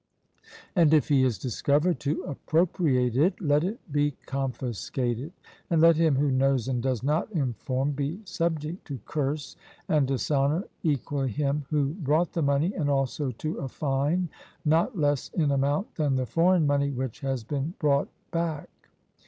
And if he is discovered to appropriate it, let it be confiscated, and let him who knows and does not inform be subject to curse and dishonour equally him who brought the money, and also to a fine not less in amount than the foreign money which has been brought back.